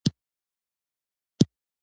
رقیب ته پاته ستا شالمار دی